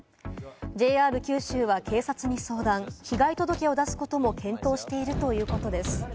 ＪＲ九州は警察に相談、被害届を出すことも検討しているということです。